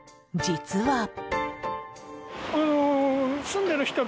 実は。